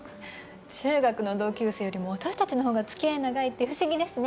中学の同級生よりも私たちのほうが付き合い長いって不思議ですね。